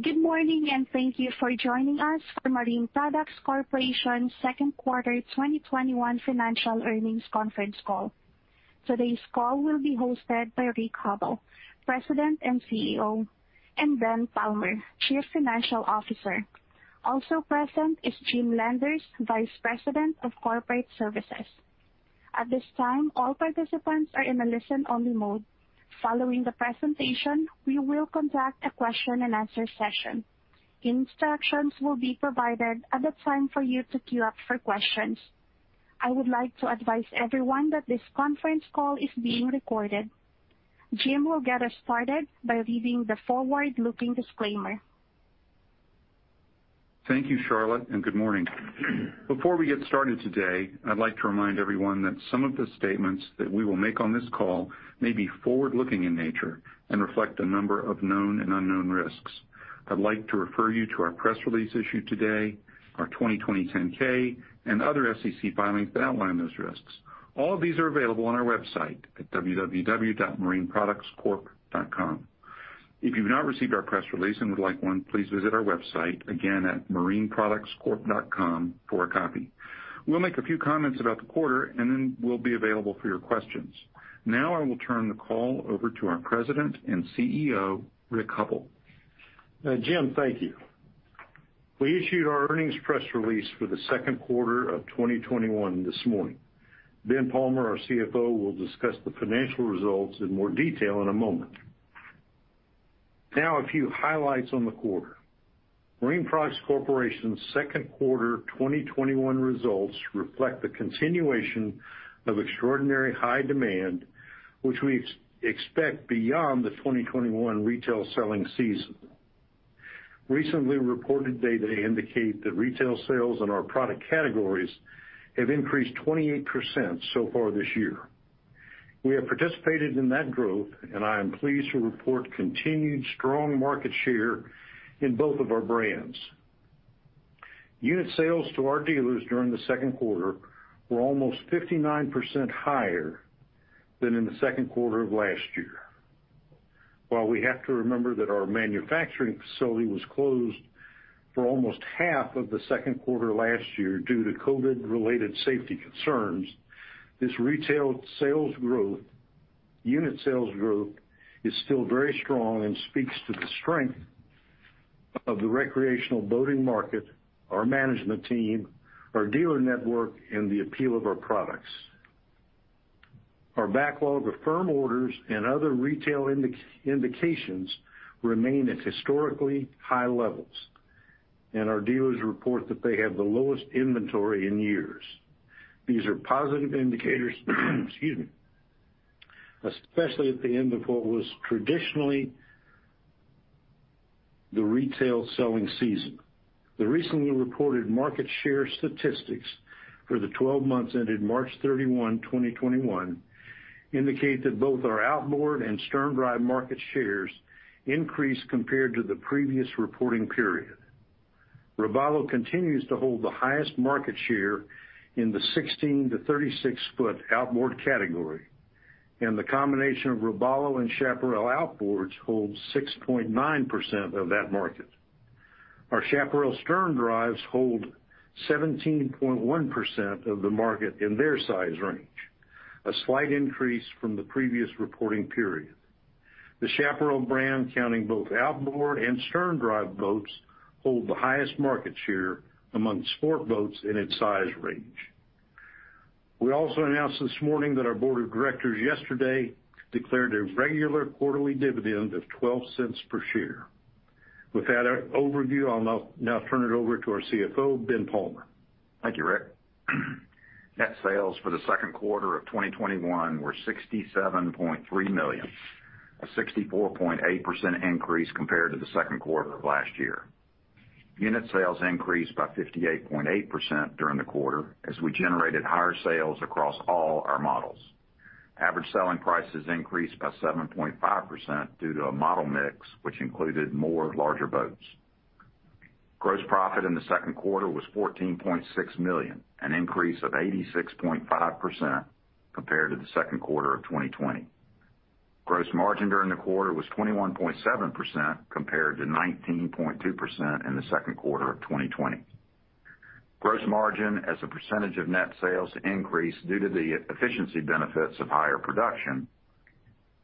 Good morning and thank you for joining us for Marine Products Corporation's Second Quarter 2021 Financial Earnings Conference Call. Today's call will be hosted by Rick Hubbell, President and CEO, and Ben Palmer, Chief Financial Officer. Also present is Jim Landers, Vice President of Corporate Services. At this time, all participants are in a listen-only mode. Following the presentation, we will conduct a question-and-answer session. Instructions will be provided at the time for you to queue up for questions. I would like to advise everyone that this conference call is being recorded. Jim will get us started by reading the forward-looking disclaimer. Thank you, Charlotte, and good morning. Before we get started today, I'd like to remind everyone that some of the statements that we will make on this call may be forward-looking in nature and reflect a number of known and unknown risks. I'd like to refer you to our press release issued today, our 2020 10-K, and other SEC filings that outline those risks. All of these are available on our website at www.marineproductscorp.com. If you've not received our press release and would like one, please visit our website again at marineproductscorp.com for a copy. We'll make a few comments about the quarter, and then we'll be available for your questions. Now I will turn the call over to our President and CEO, Rick Hubbell. Jim, thank you. We issued our earnings press release for the second quarter of 2021 this morning. Ben Palmer, our CFO, will discuss the financial results in more detail in a moment. Now, a few highlights on the quarter. Marine Products Corporation's second quarter 2021 results reflect the continuation of extraordinary high demand, which we expect beyond the 2021 retail selling season. Recently reported data indicate that retail sales in our product categories have increased 28% so far this year. We have participated in that growth, and I am pleased to report continued strong market share in both of our brands. Unit sales to our dealers during the second quarter were almost 59% higher than in the second quarter of last year. While we have to remember that our manufacturing facility was closed for almost half of the second quarter last year due to COVID-related safety concerns, this retail sales growth, unit sales growth, is still very strong and speaks to the strength of the recreational boating market, our management team, our dealer network, and the appeal of our products. Our backlog of firm orders and other retail indications remain at historically high levels, and our dealers report that they have the lowest inventory in years. These are positive indicators, excuse me, especially at the end of what was traditionally the retail selling season. The recently reported market share statistics for the 12 months ended March 31, 2021, indicate that both our outboard and stern drive market shares increased compared to the previous reporting period. Robalo continues to hold the highest market share in the 16-36 ft outboard category, and the combination of Robalo and Chaparral outboards holds 6.9% of that market. Our Chaparral stern drives hold 17.1% of the market in their size range, a slight increase from the previous reporting period. The Chaparral brand, counting both outboard and stern drive boats, holds the highest market share among sport boats in its size range. We also announced this morning that our board of directors yesterday declared a regular quarterly dividend of $0.12 per share. With that overview, I'll now turn it over to our CFO, Ben Palmer. Thank you, Rick. Net sales for the second quarter of 2021 were $67.3 million, a 64.8% increase compared to the second quarter of last year. Unit sales increased by 58.8% during the quarter as we generated higher sales across all our models. Average selling prices increased by 7.5% due to a model mix, which included more larger boats. Gross profit in the second quarter was $14.6 million, an increase of 86.5% compared to the second quarter of 2020. Gross margin during the quarter was 21.7% compared to 19.2% in the second quarter of 2020. Gross margin, as a percentage of net sales, increased due to the efficiency benefits of higher production,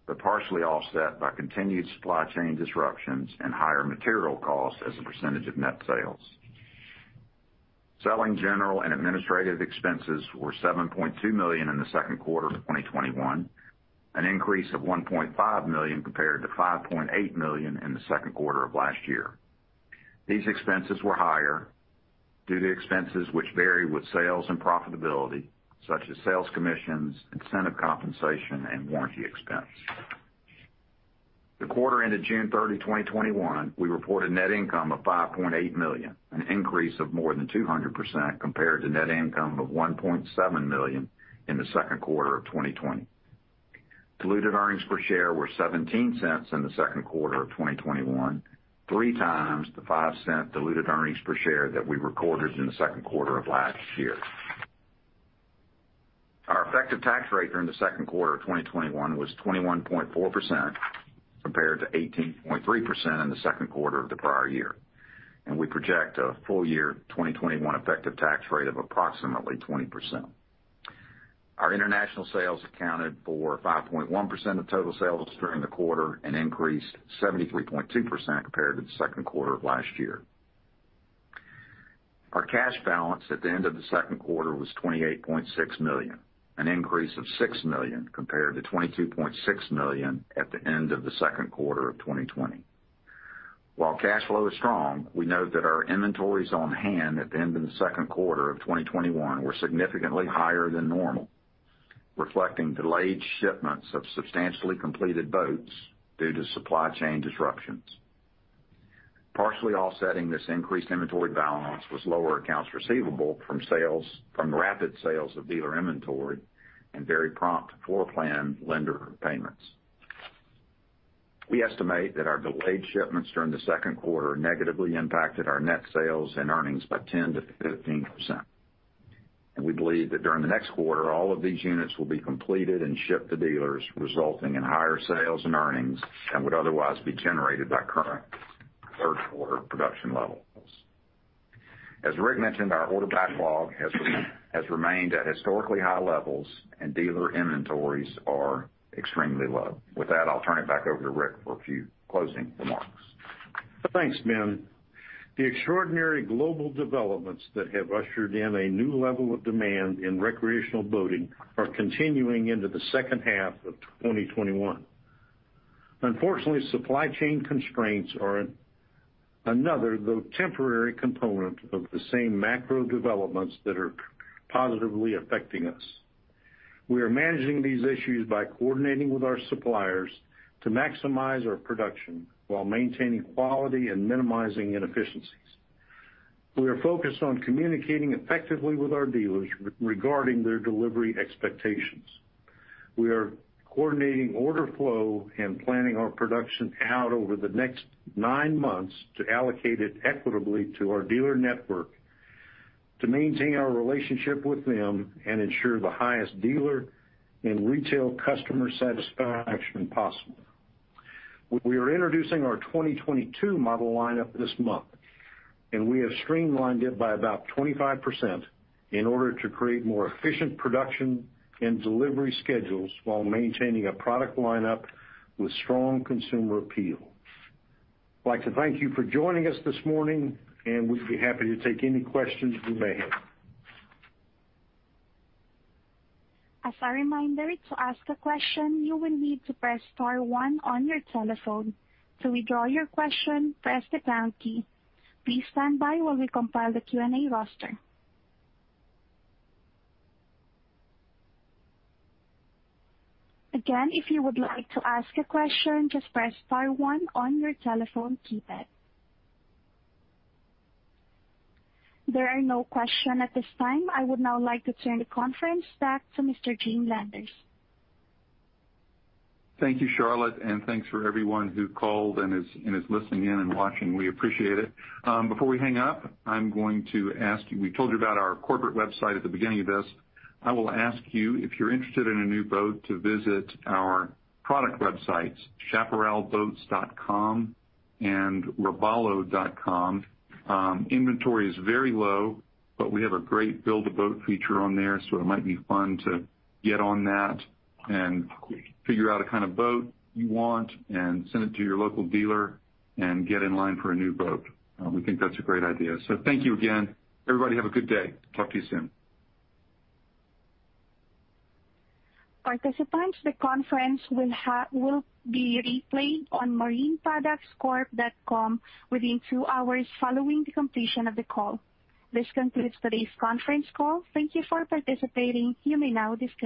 but partially offset by continued supply chain disruptions and higher material costs as a percentage of net sales. Selling, general and administrative expenses were $7.2 million in the second quarter of 2021, an increase of $1.5 million compared to $5.8 million in the second quarter of last year. These expenses were higher due to expenses which vary with sales and profitability, such as sales commissions, incentive compensation, and warranty expense. The quarter ended June 30, 2021. We reported net income of $5.8 million, an increase of more than 200% compared to net income of $1.7 million in the second quarter of 2020. Diluted earnings per share were $0.17 in the second quarter of 2021, three times the $0.05 diluted earnings per share that we recorded in the second quarter of last year. Our effective tax rate during the second quarter of 2021 was 21.4% compared to 18.3% in the second quarter of the prior year, and we project a full year 2021 effective tax rate of approximately 20%. Our international sales accounted for 5.1% of total sales during the quarter and increased 73.2% compared to the second quarter of last year. Our cash balance at the end of the second quarter was $28.6 million, an increase of $6 million compared to $22.6 million at the end of the second quarter of 2020. While cash flow is strong, we know that our inventories on hand at the end of the second quarter of 2021 were significantly higher than normal, reflecting delayed shipments of substantially completed boats due to supply chain disruptions. Partially offsetting this increased inventory balance was lower accounts receivable from rapid sales of dealer inventory and very prompt for-plan lender payments. We estimate that our delayed shipments during the second quarter negatively impacted our net sales and earnings by 10-15%, and we believe that during the next quarter, all of these units will be completed and shipped to dealers, resulting in higher sales and earnings than would otherwise be generated by current third quarter production levels. As Rick mentioned, our order backlog has remained at historically high levels, and dealer inventories are extremely low. With that, I'll turn it back over to Rick for a few closing remarks. Thanks, Ben. The extraordinary global developments that have ushered in a new level of demand in recreational boating are continuing into the second half of 2021. Unfortunately, supply chain constraints are another, though temporary, component of the same macro developments that are positively affecting us. We are managing these issues by coordinating with our suppliers to maximize our production while maintaining quality and minimizing inefficiencies. We are focused on communicating effectively with our dealers regarding their delivery expectations. We are coordinating order flow and planning our production out over the next nine months to allocate it equitably to our dealer network to maintain our relationship with them and ensure the highest dealer and retail customer satisfaction possible. We are introducing our 2022 model lineup this month, and we have streamlined it by about 25% in order to create more efficient production and delivery schedules while maintaining a product lineup with strong consumer appeal. I'd like to thank you for joining us this morning, and we'd be happy to take any questions you may have. As a reminder to ask a question, you will need to press star one on your telephone. To withdraw your question, press the count key. Please stand by while we compile the Q&A roster. Again, if you would like to ask a question, just press star one on your telephone keypad. There are no questions at this time. I would now like to turn the conference back to Mr. Jim Landers. Thank you, Charlotte, and thanks for everyone who called and is listening in and watching. We appreciate it. Before we hang up, I'm going to ask you, we told you about our corporate website at the beginning of this. I will ask you, if you're interested in a new boat, to visit our product websites, chaparralboats.com and robalo.com. Inventory is very low, but we have a great build-a-boat feature on there, so it might be fun to get on that and figure out a kind of boat you want and send it to your local dealer and get in line for a new boat. We think that's a great idea. Thank you again. Everybody have a good day. Talk to you soon. Participants to the conference will be replayed on marineproductscorp.com within two hours following the completion of the call. This concludes today's conference call. Thank you for participating. You may now disconnect.